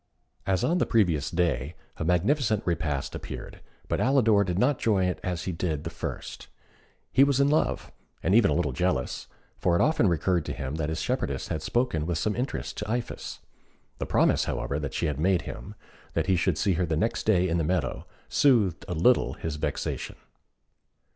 As on the previous day, a magnificent repast appeared, but Alidor did not enjoy it as he did the first. He was in love, and even a little jealous; for it often recurred to him that his shepherdess had spoken with some interest to Iphis. The promise, however, that she had made him, that he should see her the next day in the meadow, soothed a little his vexation.